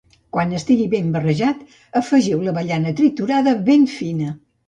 Quan estigui ben barrejat, afegiu l'avellana triturada ben fina.